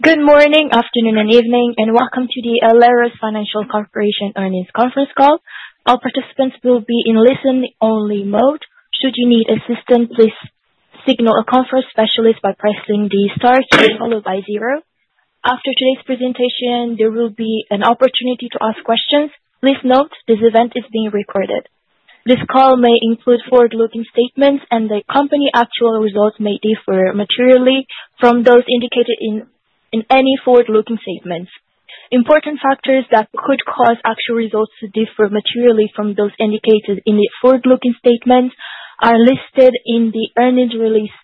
Good morning, afternoon, and evening, and welcome to the Alerus Financial Corporation earnings conference call. All participants will be in listen-only mode. Should you need assistance, please signal a conference specialist by pressing the star key followed by zero. After today's presentation, there will be an opportunity to ask questions. Please note, this event is being recorded. This call may include forward-looking statements, and the company actual results may differ materially from those indicated in any forward-looking statements. Important factors that could cause actual results to differ materially from those indicated in the forward-looking statements are listed in the earnings release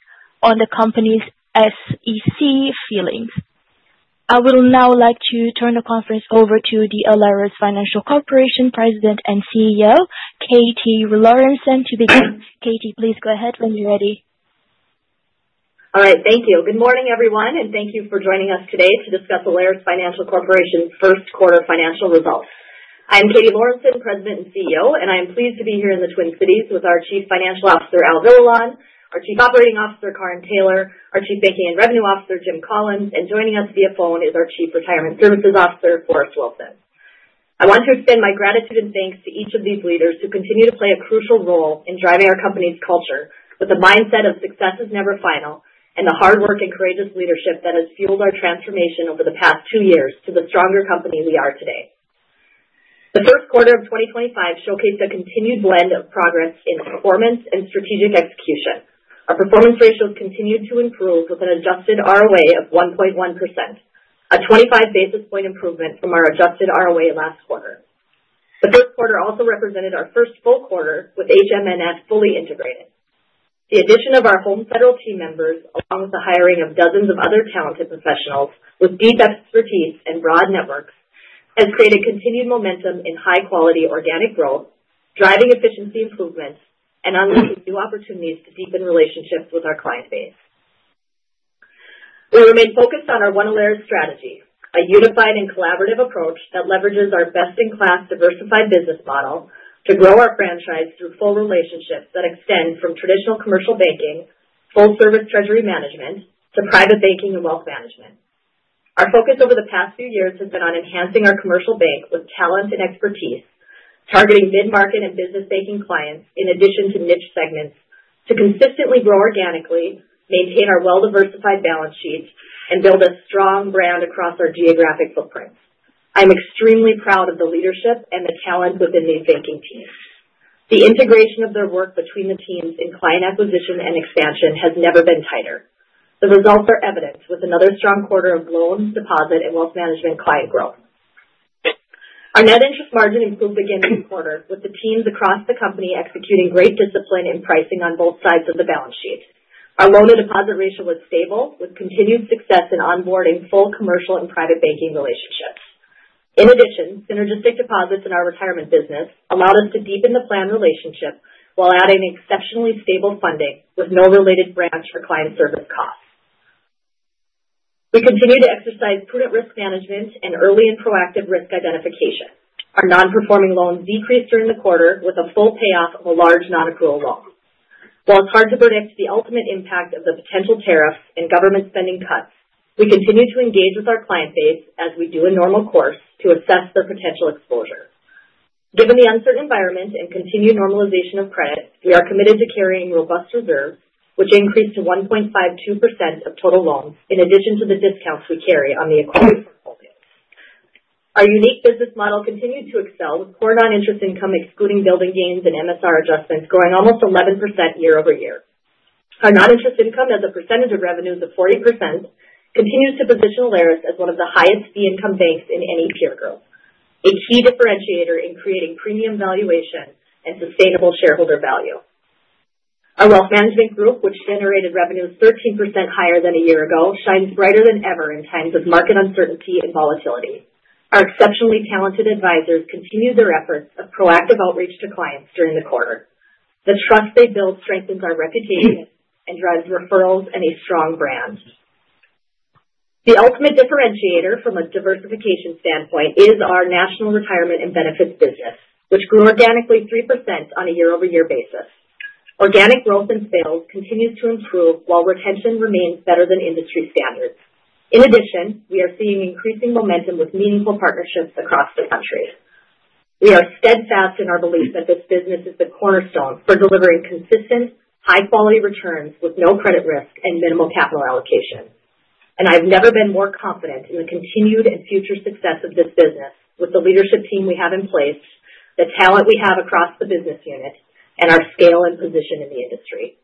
on the company's SEC filings. I would now like to turn the conference over to the Alerus Financial Corporation President and CEO, Katie Lorenson. To begin, Katie, please go ahead when you're ready. All right, thank you. Good morning, everyone, and thank you for joining us today to discuss Alerus Financial Corporation's first quarter financial results. I'm Katie Lorenson, President and CEO, and I'm pleased to be here in the Twin Cities with our Chief Financial Officer, Al Villalon, our Chief Operating Officer, Karin Taylor, our Chief Banking and Revenue Officer, Jim Collins, and joining us via phone is our Chief Retirement Services Officer, Forrest Wilson. I want to extend my gratitude and thanks to each of these leaders who continue to play a crucial role in driving our company's culture with a mindset of success is never final and the hard work and courageous leadership that has fueled our transformation over the past two years to the stronger company we are today. The first quarter of 2025 showcased a continued blend of progress in performance and strategic execution. Our performance ratios continued to improve with an adjusted ROA of 1.1%, a 25 basis point improvement from our adjusted ROA last quarter. The first quarter also represented our first full quarter with Home Federal fully integrated. The addition of our Home Federal team members, along with the hiring of dozens of other talented professionals with deep expertise and broad networks, has created continued momentum in high-quality organic growth, driving efficiency improvements and unlocking new opportunities to deepen relationships with our client base. We remain focused on our One Alerus strategy, a unified and collaborative approach that leverages our best-in-class diversified business model to grow our franchise through full relationships that extend from traditional commercial banking, full-service treasury management, to private banking and wealth management. Our focus over the past few years has been on enhancing our commercial bank with talent and expertise, targeting mid-market and business banking clients in addition to niche segments to consistently grow organically, maintain our well-diversified balance sheets, and build a strong brand across our geographic footprint. I'm extremely proud of the leadership and the talent within these banking teams. The integration of their work between the teams in client acquisition and expansion has never been tighter. The results are evident with another strong quarter of loan, deposit, and wealth management client growth. Our net interest margin improved again this quarter with the teams across the company executing great discipline in pricing on both sides of the balance sheet. Our loan and deposit ratio was stable with continued success in onboarding full commercial and private banking relationships. In addition, synergistic deposits in our retirement business allowed us to deepen the planned relationship while adding exceptionally stable funding with no related branch or client service costs. We continue to exercise prudent risk management and early and proactive risk identification. Our non-performing loans decreased during the quarter with a full payoff of a large non-accrual loan. While it's hard to predict the ultimate impact of the potential tariffs and government spending cuts, we continue to engage with our client base as we do a normal course to assess their potential exposure. Given the uncertain environment and continued normalization of credit, we are committed to carrying robust reserves, which increase to 1.52% of total loans in addition to the discounts we carry on the acquired portfolio. Our unique business model continues to excel with core non-interest income excluding building gains and MSR adjustments growing almost 11% year-over-year. Our non-interest income as a percentage of revenues of 40% continues to position Alerus as one of the highest fee-income banks in any peer group, a key differentiator in creating premium valuation and sustainable shareholder value. Our wealth management group, which generated revenues 13% higher than a year ago, shines brighter than ever in times of market uncertainty and volatility. Our exceptionally talented advisors continue their efforts of proactive outreach to clients during the quarter. The trust they build strengthens our reputation and drives referrals and a strong brand. The ultimate differentiator from a diversification standpoint is our national retirement and benefits business, which grew organically 3% on a year-over-year basis. Organic growth and sales continue to improve while retention remains better than industry standards. In addition, we are seeing increasing momentum with meaningful partnerships across the country. We are steadfast in our belief that this business is the cornerstone for delivering consistent, high-quality returns with no credit risk and minimal capital allocation. I've never been more confident in the continued and future success of this business with the leadership team we have in place, the talent we have across the business unit, and our scale and position in the industry.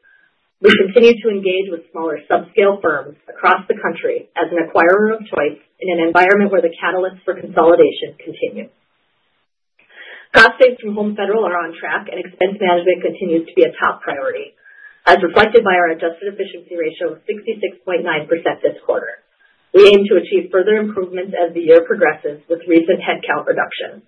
We continue to engage with smaller subscale firms across the country as an acquirer of choice in an environment where the catalysts for consolidation continue. Cost saves from Home Federal are on track, and expense management continues to be a top priority, as reflected by our adjusted efficiency ratio of 66.9% this quarter. We aim to achieve further improvements as the year progresses with recent headcount reductions.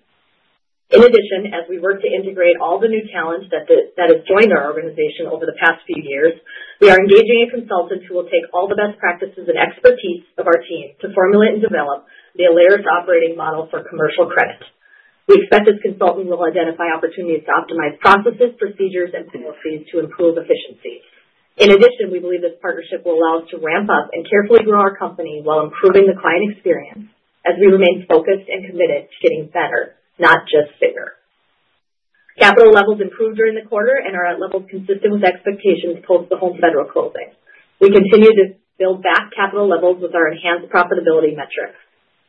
In addition, as we work to integrate all the new talent that has joined our organization over the past few years, we are engaging a consultant who will take all the best practices and expertise of our team to formulate and develop the Alerus operating model for commercial credit. We expect this consultant will identify opportunities to optimize processes, procedures, and policies to improve efficiencies. In addition, we believe this partnership will allow us to ramp up and carefully grow our company while improving the client experience as we remain focused and committed to getting better, not just bigger. Capital levels improved during the quarter and are at levels consistent with expectations post the Home Federal closing. We continue to build back capital levels with our enhanced profitability metrics.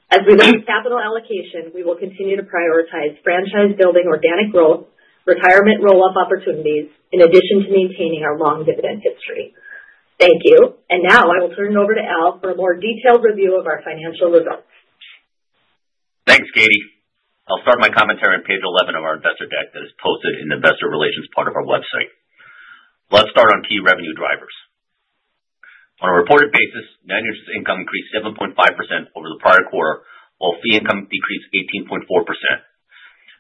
As we look at capital allocation, we will continue to prioritize franchise-building organic growth, retirement roll-up opportunities, in addition to maintaining our long dividend history. Thank you. I will turn it over to Al for a more detailed review of our financial results. Thanks, Katie. I'll start my commentary on page 11 of our investor deck that is posted in the investor relations part of our website. Let's start on key revenue drivers. On a reported basis, net interest income increased 7.5% over the prior quarter, while fee income decreased 18.4%.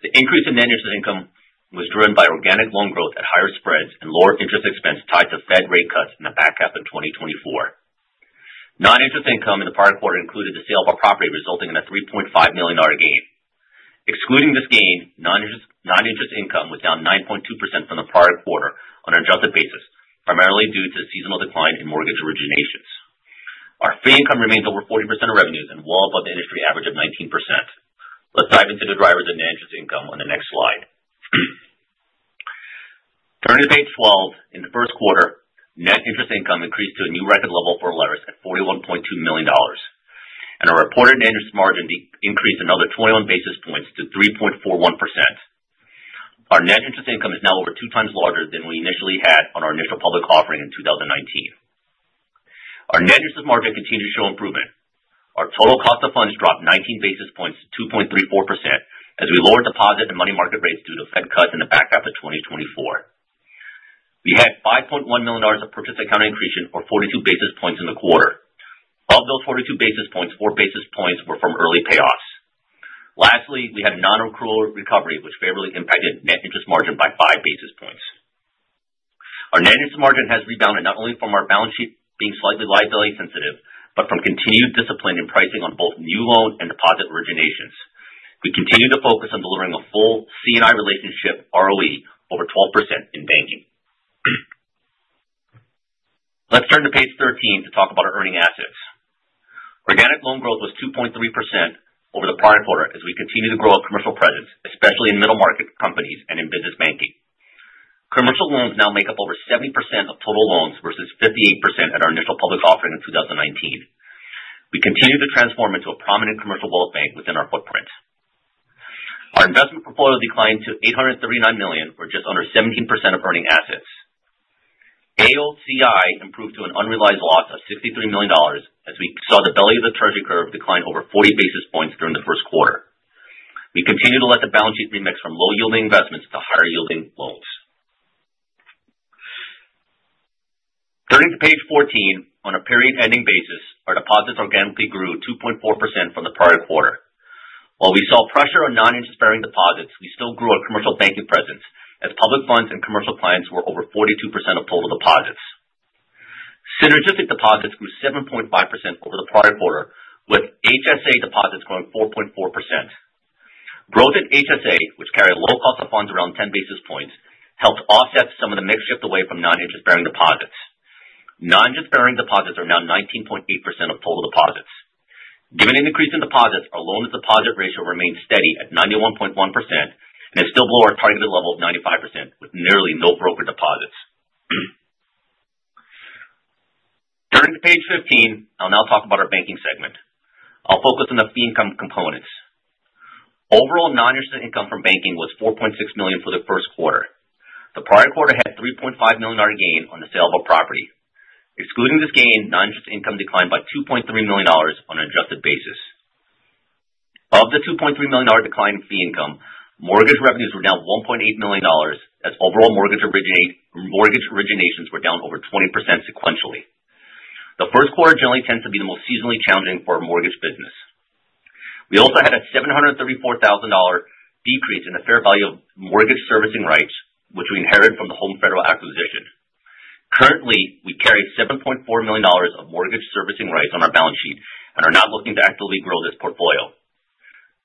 The increase in net interest income was driven by organic loan growth at higher spreads and lower interest expense tied to Fed rate cuts and a back half in 2024. Non-interest income in the prior quarter included the sale of our property, resulting in a $3.5 million gain. Excluding this gain, non-interest income was down 9.2% from the prior quarter on an adjusted basis, primarily due to the seasonal decline in mortgage originations. Our fee income remains over 40% of revenues and well above the industry average of 19%. Let's dive into the drivers of net interest income on the next slide. Turning to Page 12, in the first quarter, net interest income increased to a new record level for Alerus at $41.2 million, and our reported net interest margin increased another 21 basis points to 3.41%. Our net interest income is now over 2x larger than we initially had on our initial public offering in 2019. Our net interest margin continues to show improvement. Our total cost of funds dropped 19 basis points to 2.34% as we lowered deposit and money market rates due to Fed cuts and the back half of 2024. We had $5.1 million of purchase accounting accretion for 42 basis points in the quarter. Of those 42 basis points, 4 basis points were from early payoffs. Lastly, we had non-accrual recovery, which favorably impacted net interest margin by 5 basis points. Our net interest margin has rebounded not only from our balance sheet being slightly liability sensitive, but from continued discipline in pricing on both new loan and deposit originations. We continue to focus on delivering a full C&I relationship ROE over 12% in banking. Let's turn to Page 13 to talk about our earning assets. Organic loan growth was 2.3% over the prior quarter as we continue to grow our commercial presence, especially in middle market companies and in business banking. Commercial loans now make up over 70% of total loans versus 58% at our initial public offering in 2019. We continue to transform into a prominent commercial wealth bank within our footprint. Our investment portfolio declined to $839 million, or just under 17% of earning assets. AOCI improved to an unrealized loss of $63 million as we saw the belly of the Treasury curve decline over 40 basis points during the first quarter. We continue to let the balance sheet remix from low-yielding investments to higher-yielding loans. Turning to Page 14, on a period-ending basis, our deposits organically grew 2.4% from the prior quarter. While we saw pressure on non-interest-bearing deposits, we still grew our commercial banking presence as public funds and commercial clients were over 42% of total deposits. Synergistic deposits grew 7.5% over the prior quarter, with HSA deposits growing 4.4%. Growth in HSA, which carried a low cost of funds around 10 basis points, helped offset some of the mix shift away from non-interest-bearing deposits. Non-interest-bearing deposits are now 19.8% of total deposits. Given an increase in deposits, our loan-to-deposit ratio remains steady at 91.1% and is still below our targeted level of 95% with nearly no broker deposits. Turning to Page 15, I'll now talk about our banking segment. I'll focus on the fee income components. Overall, non-interest income from banking was $4.6 million for the first quarter. The prior quarter had a $3.5 million gain on the sale of a property. Excluding this gain, non-interest income declined by $2.3 million on an adjusted basis. Of the $2.3 million decline in fee income, mortgage revenues were down $1.8 million as overall mortgage originations were down over 20% sequentially. The first quarter generally tends to be the most seasonally challenging for our mortgage business. We also had a $734,000 decrease in the fair value of mortgage servicing rights, which we inherited from the Home Federal acquisition. Currently, we carry $7.4 million of mortgage servicing rights on our balance sheet and are not looking to actively grow this portfolio.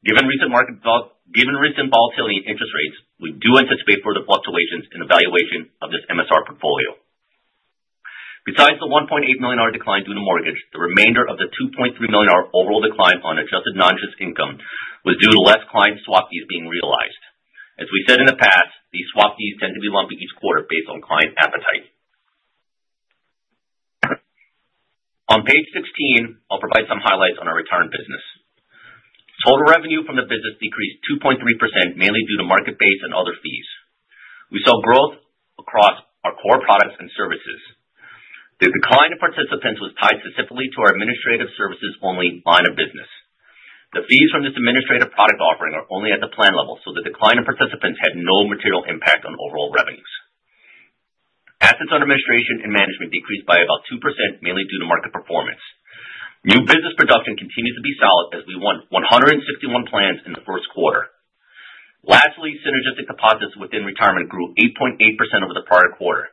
Given recent volatility in interest rates, we do anticipate further fluctuations in the valuation of this MSR portfolio. Besides the $1.8 million decline due to mortgage, the remainder of the $2.3 million overall decline on adjusted non-interest income was due to less client swap fees being realized. As we said in the past, these swap fees tend to be lumped each quarter based on client appetite. On Page 16, I'll provide some highlights on our return business. Total revenue from the business decreased 2.3%, mainly due to market-based and other fees. We saw growth across our core products and services. The decline in participants was tied specifically to our administrative services-only line of business. The fees from this administrative product offering are only at the plan level, so the decline in participants had no material impact on overall revenues. Assets under administration and management decreased by about 2%, mainly due to market performance. New business production continues to be solid as we won 161 plans in the first quarter. Lastly, synergistic deposits within retirement grew 8.8% over the prior quarter.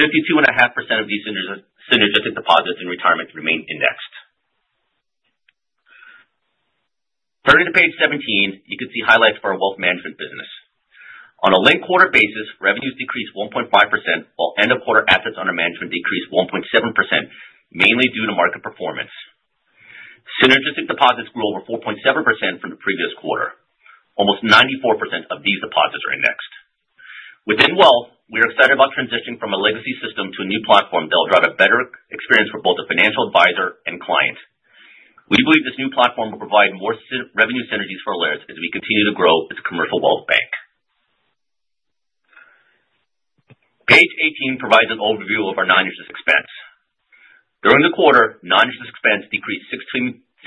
52.5% of these synergistic deposits in retirement remain indexed. Turning to Page 17, you can see highlights for our wealth management business. On a late quarter basis, revenues decreased 1.5%, while end-of-quarter assets under management decreased 1.7%, mainly due to market performance. Synergistic deposits grew over 4.7% from the previous quarter. Almost 94% of these deposits are indexed. Within wealth, we are excited about transitioning from a legacy system to a new platform that will drive a better experience for both a financial advisor and client. We believe this new platform will provide more revenue synergies for Alerus as we continue to grow as a commercial wealth bank. Page 18 provides an overview of our non-interest expense. During the quarter, non-interest expense decreased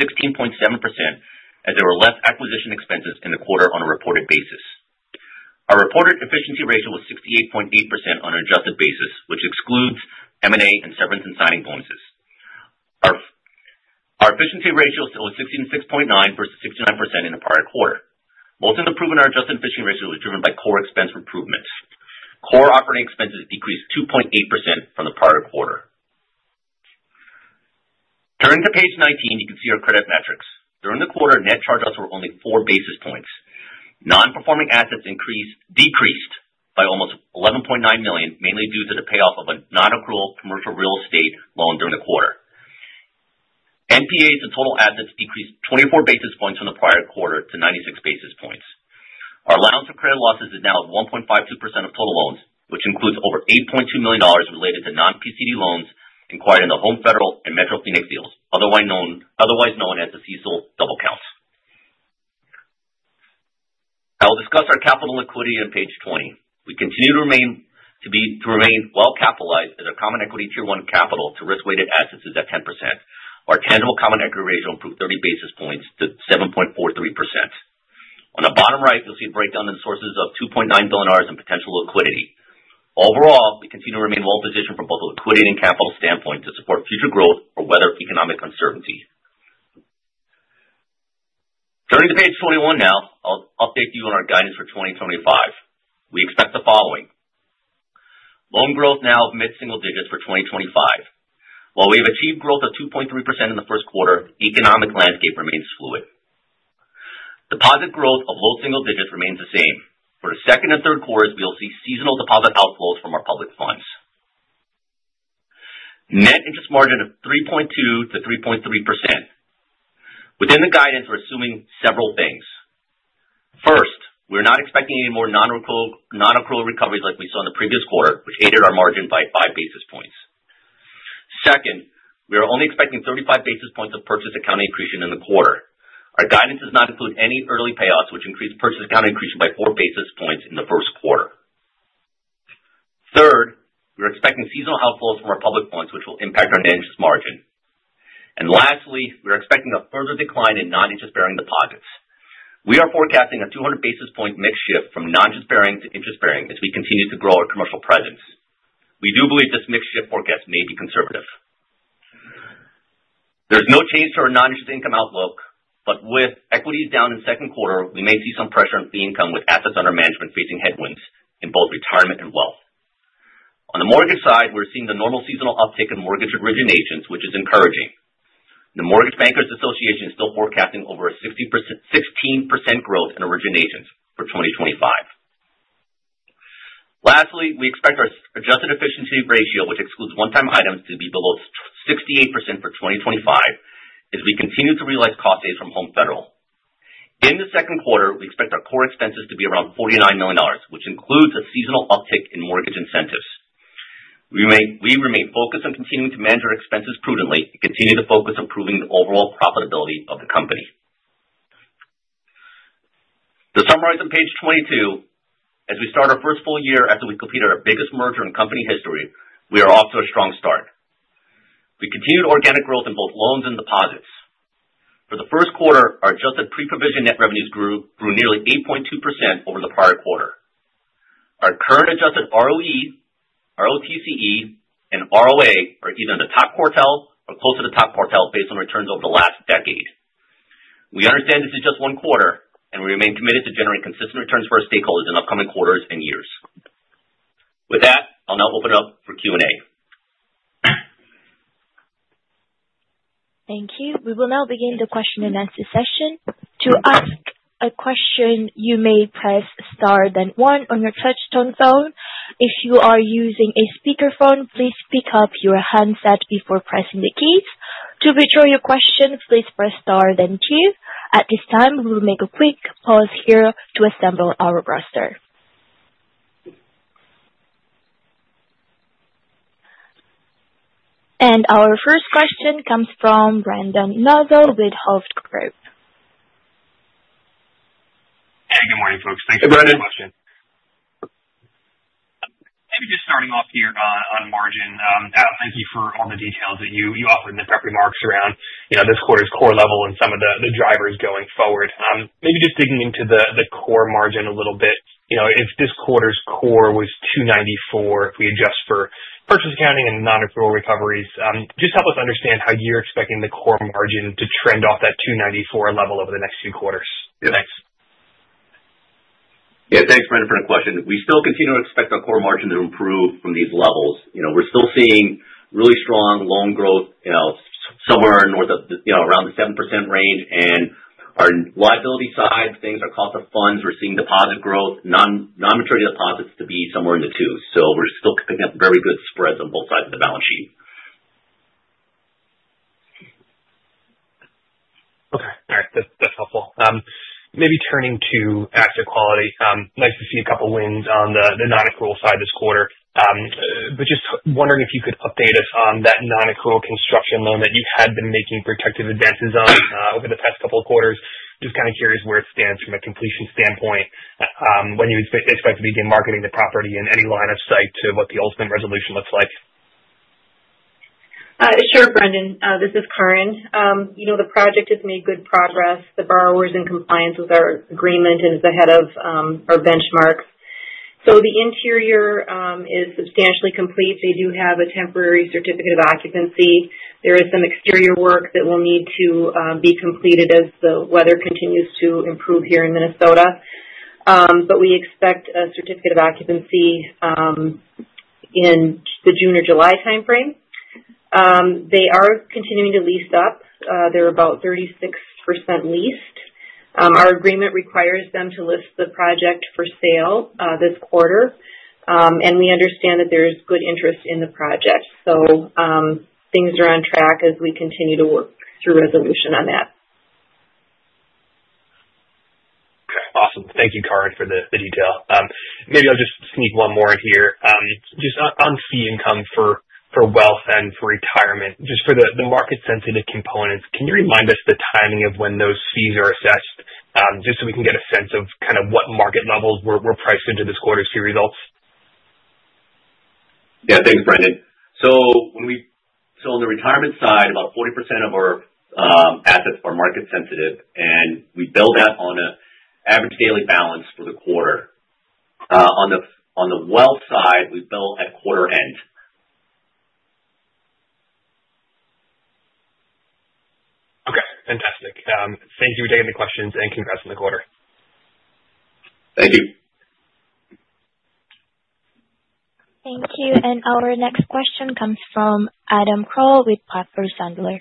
16.7% as there were less acquisition expenses in the quarter on a reported basis. Our reported efficiency ratio was 68.8% on an adjusted basis, which excludes M&A and severance and signing bonuses. Our efficiency ratio was 66.9% versus 69% in the prior quarter. Most of the improvement in our adjusted efficiency ratio was driven by core expense improvements. Core operating expenses decreased 2.8% from the prior quarter. Turning to Page 19, you can see our credit metrics. During the quarter, net charge-outs were only 4 basis points. Non-performing assets decreased by almost $11.9 million, mainly due to the payoff of a non-accrual commercial real estate loan during the quarter. NPAs and total assets decreased 24 basis points from the prior quarter to 96 basis points. Our allowance for credit losses is now at 1.52% of total loans, which includes over $8.2 million related to non-PCD loans acquired in the Home Federal and Metro Phoenix deals, otherwise known as the CECL double count. I'll discuss our capital liquidity on Page 20. We continue to remain well-capitalized as our Common Equity Tier 1 capital to risk-weighted assets is at 10%. Our tangible common equity ratio improved 30 basis points to 7.43%. On the bottom right, you'll see a breakdown in the sources of $2.9 million in potential liquidity. Overall, we continue to remain well-positioned from both a liquidity and capital standpoint to support future growth or weather economic uncertainty. Turning to Page 21 now, I'll update you on our guidance for 2025. We expect the following. Loan growth now of mid-single digits for 2025. While we have achieved growth of 2.3% in the first quarter, the economic landscape remains fluid. Deposit growth of low single digits remains the same. For the second and third quarters, we'll see seasonal deposit outflows from our public funds. Net interest margin of 3.2%-3.3%. Within the guidance, we're assuming several things. First, we're not expecting any more non-accrual recoveries like we saw in the previous quarter, which aided our margin by 5 basis points. Second, we are only expecting 35 basis points of purchase accounting accretion in the quarter. Our guidance does not include any early payouts, which increased purchase accounting accretion by 4 basis points in the first quarter. Third, we're expecting seasonal outflows from our public funds, which will impact our net interest margin. Lastly, we're expecting a further decline in non-interest-bearing deposits. We are forecasting a 200 basis point mix shift from non-interest-bearing to interest-bearing as we continue to grow our commercial presence. We do believe this mix shift forecast may be conservative. There's no change to our non-interest income outlook, but with equities down in the second quarter, we may see some pressure on fee income with assets under management facing headwinds in both retirement and wealth. On the mortgage side, we're seeing the normal seasonal uptake of mortgage originations, which is encouraging. The Mortgage Bankers Association is still forecasting over a 16% growth in originations for 2025. Lastly, we expect our adjusted efficiency ratio, which excludes one-time items, to be below 68% for 2025 as we continue to realize cost savings from Home Federal. In the second quarter, we expect our core expenses to be around $49 million, which includes a seasonal uptake in mortgage incentives. We remain focused on continuing to manage our expenses prudently and continue to focus on improving the overall profitability of the company. To summarize on Page 22, as we start our first full year after we completed our biggest merger in company history, we are off to a strong start. We continued organic growth in both loans and deposits. For the first quarter, our adjusted pre-provision net revenues grew nearly 8.2% over the prior quarter. Our current adjusted ROE, ROTCE, and ROA are either in the top quartile or close to the top quartile based on returns over the last decade. We understand this is just one quarter, and we remain committed to generating consistent returns for our stakeholders in upcoming quarters and years. With that, I'll now open it up for Q&A. Thank you. We will now begin the question and answer session. To ask a question, you may press Star then 1 on your touchtone phone. If you are using a speakerphone, please pick up your handset before pressing the keys. To withdraw your question, please press Star then 2. At this time, we will make a quick pause here to assemble our roster. Our first question comes from Brendan Nosal with Hovde Group. Hey, good morning, folks. Thanks for the question. Maybe just starting off here on margin, Al, thank you for all the details that you offered in the prep remarks around this quarter's core level and some of the drivers going forward. Maybe just digging into the core margin a little bit. If this quarter's core was 294, if we adjust for purchase accounting and non-accrual recoveries, just help us understand how you're expecting the core margin to trend off that 294 level over the next few quarters. Thanks. Yeah, thanks, Brendan, for the question. We still continue to expect our core margin to improve from these levels. We're still seeing really strong loan growth somewhere north of around the 7% range. And our liability side, things are cost of funds. We're seeing deposit growth, non-maturity deposits to be somewhere in the two. So we're still picking up very good spreads on both sides of the balance sheet. Okay. All right. That's helpful. Maybe turning to asset quality, nice to see a couple of wins on the non-accrual side this quarter. Just wondering if you could update us on that non-accrual construction loan that you had been making protective advances on over the past couple of quarters. Just kind of curious where it stands from a completion standpoint when you expect to begin marketing the property in any line of sight to what the ultimate resolution looks like. Sure, Brendan. This is Karin. The project has made good progress. The borrower is in compliance with our agreement and is ahead of our benchmarks. The interior is substantially complete. They do have a temporary certificate of occupancy. There is some exterior work that will need to be completed as the weather continues to improve here in Minnesota. We expect a certificate of occupancy in the June or July timeframe. They are continuing to lease up. They're about 36% leased. Our agreement requires them to list the project for sale this quarter. We understand that there is good interest in the project. Things are on track as we continue to work through resolution on that. Okay. Awesome. Thank you, Karin, for the detail. Maybe I'll just sneak one more in here. Just on fee income for wealth and for retirement, just for the market-sensitive components, can you remind us the timing of when those fees are assessed just so we can get a sense of kind of what market levels we're priced into this quarter's key results? Yeah, thanks, Brendan. On the retirement side, about 40% of our assets are market-sensitive. We bill that on an average daily balance for the quarter. On the wealth side, we bill at quarter end. Okay. Fantastic. Thank you for taking the questions and congrats on the quarter. Thank you. Thank you. Our next question comes from Adam Kroll with Piper Sandler.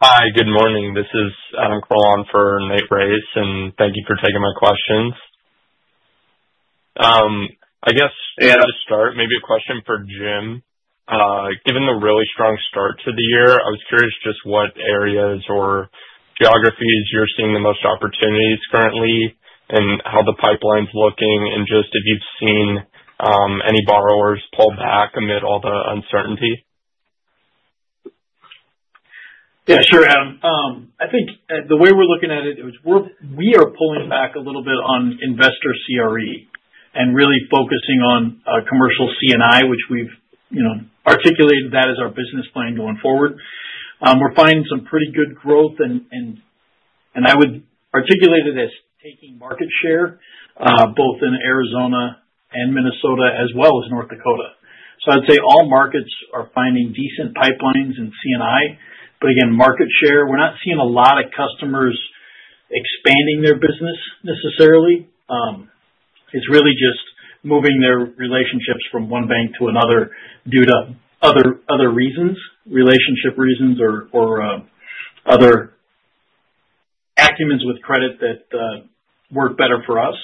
Hi, good morning. This is Adam Kroll on for Nathan Race, and thank you for taking my questions. I guess to start, maybe a question for Jim. Given the really strong start to the year, I was curious just what areas or geographies you're seeing the most opportunities currently and how the pipeline's looking and just if you've seen any borrowers pull back amid all the uncertainty. Yeah, sure, Adam. I think the way we're looking at it, we are pulling back a little bit on investor CRE and really focusing on commercial C&I, which we've articulated that as our business plan going forward. We're finding some pretty good growth, and I would articulate it as taking market share both in Arizona and Minnesota as well as North Dakota. I'd say all markets are finding decent pipelines in C&I. Again, market share, we're not seeing a lot of customers expanding their business necessarily. It's really just moving their relationships from one bank to another due to other reasons, relationship reasons, or other acumens with credit that work better for us.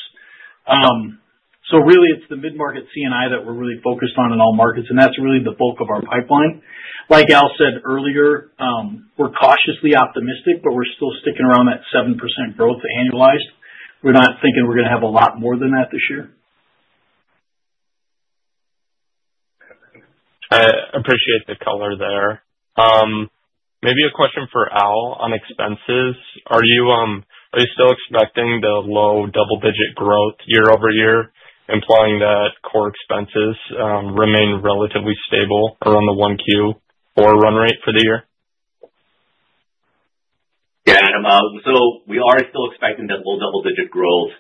Really, it's the mid-market C&I that we're really focused on in all markets, and that's really the bulk of our pipeline. Like Al said earlier, we're cautiously optimistic, but we're still sticking around that 7% growth annualized. We're not thinking we're going to have a lot more than that this year. I appreciate the color there. Maybe a question for Al on expenses. Are you still expecting the low double-digit growth year-over-year, implying that core expenses remain relatively stable around the 1Q or run rate for the year? Yeah, Adam.We are still expecting that low double-digit growth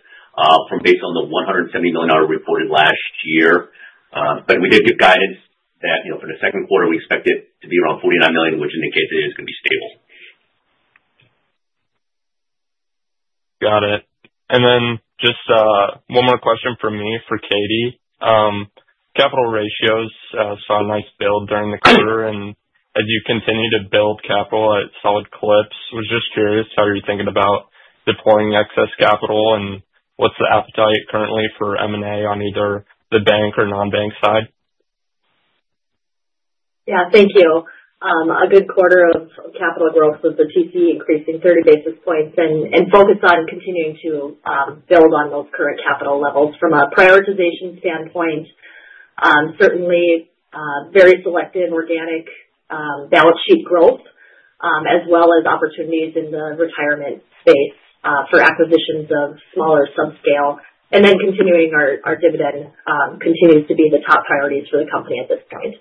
based on the $170 million reported last year. We did give guidance that for the second quarter, we expect it to be around $49 million, which indicates that it is going to be stable. Got it. Just one more question for me for Katie. Capital ratios saw a nice build during the quarter, and as you continue to build capital at solid clips, was just curious how you're thinking about deploying excess capital and what's the appetite currently for M&A on either the bank or non-bank side? Yeah, thank you. A good quarter of capital growth was the TC increasing 30 basis points and focused on continuing to build on those current capital levels from a prioritization standpoint. Certainly, very selective organic balance sheet growth as well as opportunities in the retirement space for acquisitions of smaller subscale. Continuing, our dividend continues to be the top priority for the company at this point.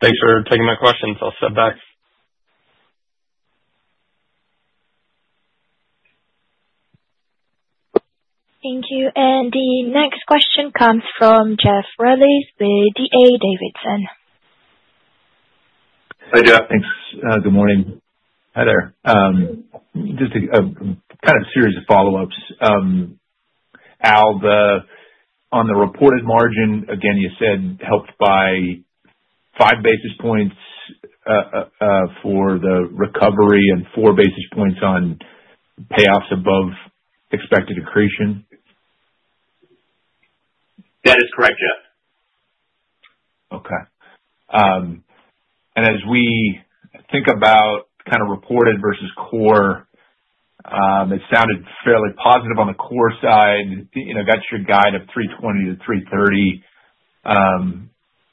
Thanks for taking my questions. I'll step back. Thank you. The next question comes from Jeff Rulis with D.A. Davidson. Hi Jeff. Thanks. Good morning. Hi there. Just kind of a series of follow-ups. Al, on the reported margin, again, you said helped by five basis points for the recovery and four basis points on payoffs above expected accretion. That is correct, Jeff. Okay.As we think about kind of reported versus core, it sounded fairly positive on the core side. Got your guide of 320-330.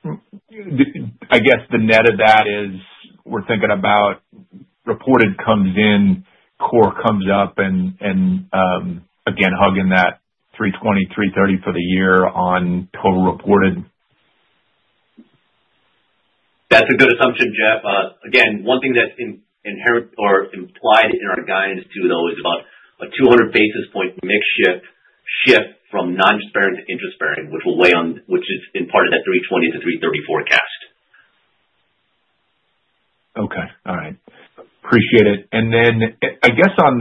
I guess the net of that is we're thinking about reported comes in, core comes up, and again, hugging that 320-330 for the year on total reported. That's a good assumption, Jeff.Again, one thing that's inherent or implied in our guidance too, though, is about a 200 basis point mix shift from non-interest-bearing, which is in part of that 320-330 forecast. Okay. All right. Appreciate it. Then I guess on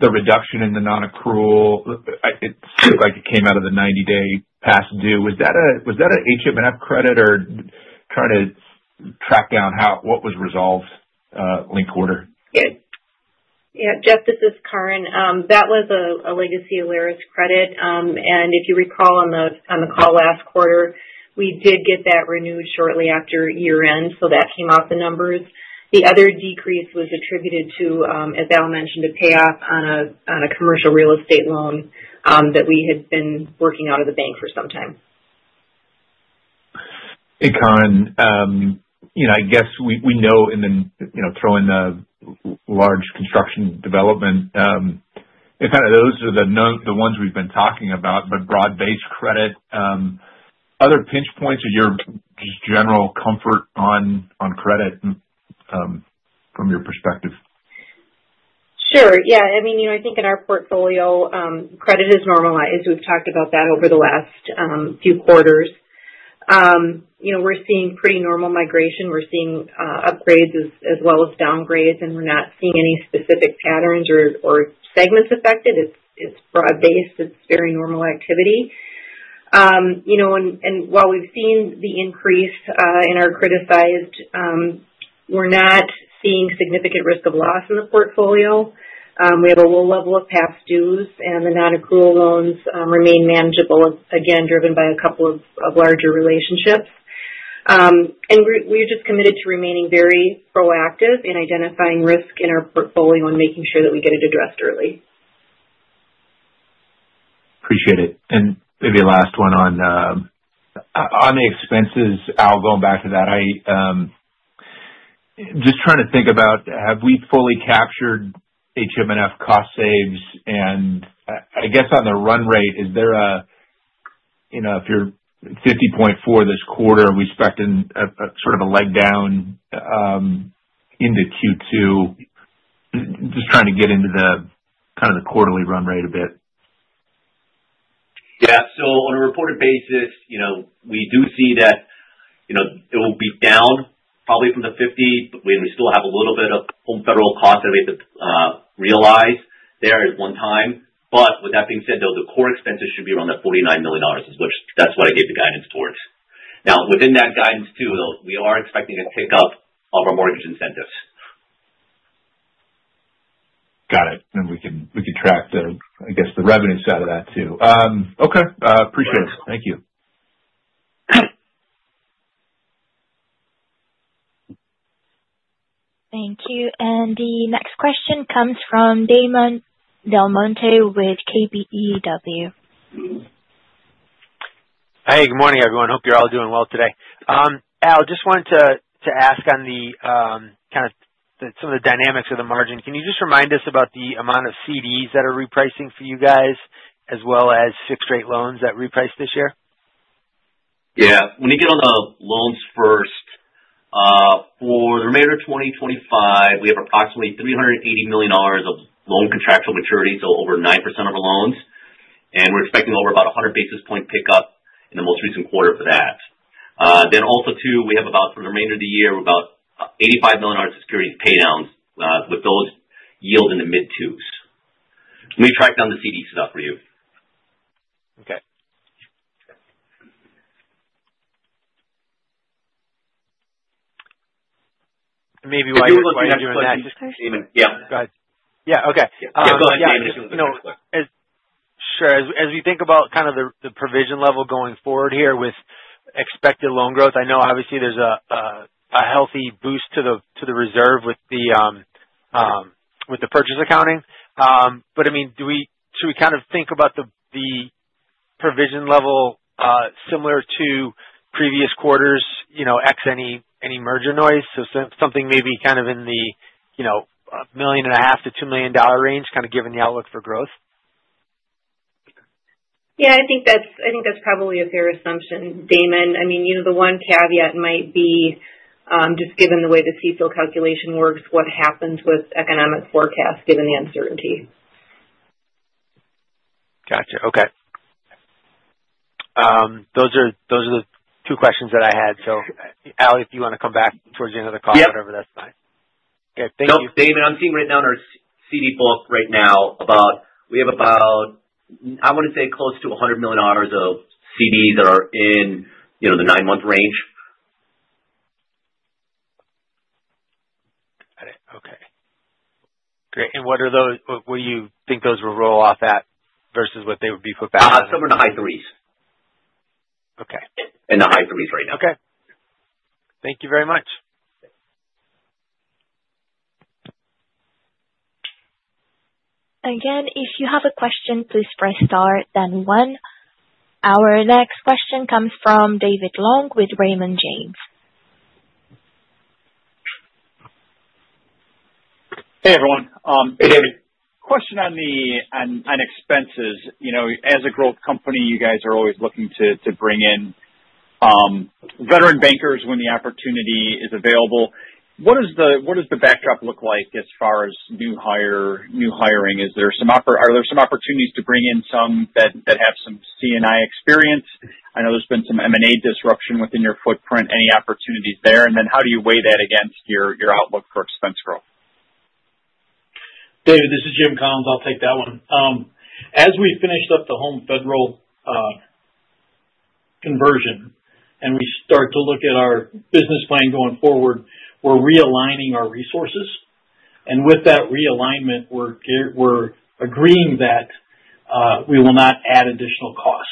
the reduction in the non-accrual, it seems like it came out of the 90-day past due. Was that an HMNF credit or trying to track down what was resolved late quarter? Yeah. Jeff, this is Karin. That was a legacy Alerus credit. If you recall on the call last quarter, we did get that renewed shortly after year-end, so that came off the numbers. The other decrease was attributed to, as Al mentioned, a payoff on a commercial real estate loan that we had been working out of the bank for some time. Hey, Karin.I guess we know in throwing the large construction development, kind of those are the ones we've been talking about, but broad-based credit. Other pinch points or your just general comfort on credit from your perspective? Sure. Yeah. I mean, I think in our portfolio, credit has normalized. We've talked about that over the last few quarters. We're seeing pretty normal migration. We're seeing upgrades as well as downgrades, and we're not seeing any specific patterns or segments affected. It's broad-based. It's very normal activity. While we've seen the increase in our criticized, we're not seeing significant risk of loss in the portfolio. We have a low level of past dues, and the non-accrual loans remain manageable, again, driven by a couple of larger relationships. We're just committed to remaining very proactive in identifying risk in our portfolio and making sure that we get it addressed early. Appreciate it. Maybe last one on the expenses, Al, going back to that, just trying to think about, have we fully captured HMNF cost saves? I guess on the run rate, if you're $50.4 million this quarter, we're expecting sort of a leg down into Q2. Just trying to get into kind of the quarterly run rate a bit. Yeah. On a reported basis, we do see that it will be down probably from the $50 million, but we still have a little bit of Home Federal cost that we have to realize there at one time. With that being said, though, the core expenses should be around that $49 million, which that's what I gave the guidance towards. Now, within that guidance too, we are expecting a tick up of our mortgage incentives. Got it. We can track the, I guess, the revenue side of that too. Okay. Appreciate it. Thank you. Thank you. The next question comes from Damon DelMonte with KBW. Hey, good morning, everyone. Hope you're all doing well today. Al, just wanted to ask on kind of some of the dynamics of the margin. Can you just remind us about the amount of CDs that are repricing for you guys as well as fixed-rate loans that repriced this year? Yeah. When you get on the loans first, for the remainder of 2025, we have approximately $380 million of loan contractual maturity, so over 9% of our loans. We're expecting over about 100 basis point pickup in the most recent quarter for that. Also, for the remainder of the year, we have about $85 million in securities paydowns with those yields in the mid-twos. Let me track down the CD stuff for you. Okay. Maybe while you're doing that. Damon. Yeah. Go ahead. Yeah. Okay. Yeah. Go ahead, Damon. Sure. As we think about kind of the provision level going forward here with expected loan growth, I know obviously there's a healthy boost to the reserve with the purchase accounting. I mean, should we kind of think about the provision level similar to previous quarters ex any merger noise? So something maybe kind of in the $1.5 million-$2 million range, kind of given the outlook for growth? Yeah. I think that's probably a fair assumption. Damon, I mean, the one caveat might be just given the way the CECL calculation works, what happens with economic forecasts given the uncertainty. Gotcha. Okay. Those are the two questions that I had. Al, if you want to come back towards the end of the call, whatever, that's fine. Okay. Thank you. Damon, I'm seeing right now in our CD book right now, we have about, I want to say, close to $100 million of CDs that are in the nine-month range. Got it. Okay. Great. What do you think those will roll off at versus what they would be for backlog? Somewhere in the high threes. Okay. In the high threes right now. Okay. Thank you very much. Again, if you have a question, please press star then one. Our next question comes from David Long with Raymond James. Hey, everyone. Hey, David. Question on expenses. As a growth company, you guys are always looking to bring in veteran bankers when the opportunity is available. What does the backdrop look like as far as new hiring? Are there some opportunities to bring in some that have some C&I experience? I know there's been some M&A disruption within your footprint. Any opportunities there? How do you weigh that against your outlook for expense growth? David, this is Jim Collins. I'll take that one. As we finished up the Home Federal conversion and we start to look at our business plan going forward, we're realigning our resources. With that realignment, we're agreeing that we will not add additional costs.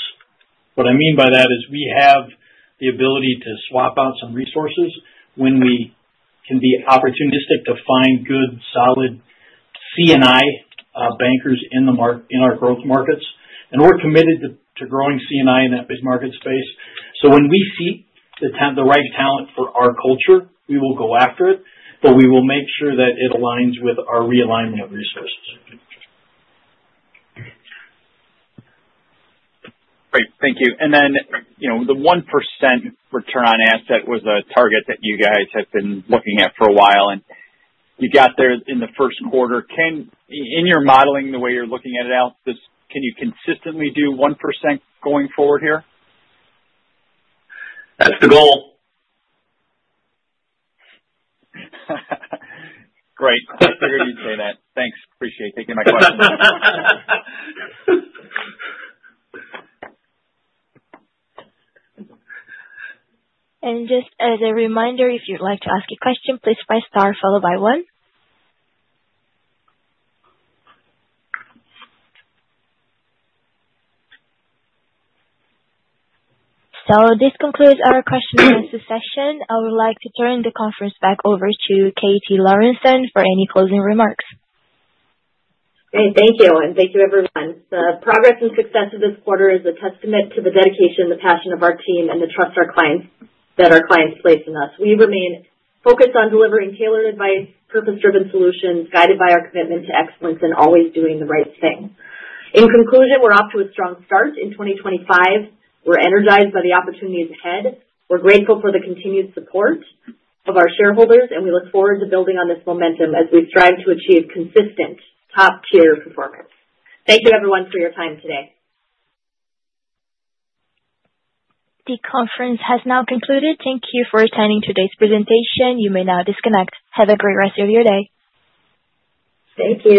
What I mean by that is we have the ability to swap out some resources when we can be opportunistic to find good, solid C&I bankers in our growth markets. We're committed to growing C&I in that market space. When we see the right talent for our culture, we will go after it, but we will make sure that it aligns with our realigning of resources. Great. Thank you. The 1% return on asset was a target that you guys had been looking at for a while, and you got there in the first quarter. In your modeling, the way you're looking at it, Al, can you consistently do 1% going forward here? That's the goal. Great. I figured you'd say that. Thanks. Appreciate taking my question. Just as a reminder, if you'd like to ask a question, please press star followed by one. This concludes our question and answer session. I would like to turn the conference back over to Katie Lorenson for any closing remarks. Great. Thank you. Thank you, everyone. The progress and success of this quarter is a testament to the dedication, the passion of our team, and the trust our clients place in us. We remain focused on delivering tailored advice, purpose-driven solutions guided by our commitment to excellence and always doing the right thing. In conclusion, we're off to a strong start in 2025. We're energized by the opportunities ahead. We're grateful for the continued support of our shareholders, and we look forward to building on this momentum as we strive to achieve consistent top-tier performance. Thank you, everyone, for your time today. The conference has now concluded. Thank you for attending today's presentation. You may now disconnect. Have a great rest of your day. Thank you.